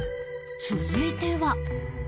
続いては